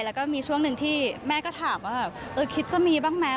แล้วก็มีช่วงหนึ่งที่แม่ก็ถามว่าแบบเออคิดจะมีบ้างไหม